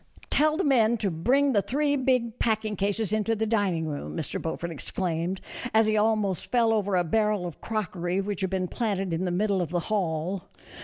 "Tell the men to bring the three big packing cases into the dining room," Mr. Beaufort exclaimed, as he almost fell over a barrel of crockery which had been planted in the middle of the hall.